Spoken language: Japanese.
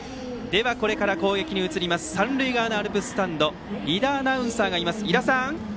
これから攻撃に移る三塁側のアルプススタンドに伊田アナウンサーがいます。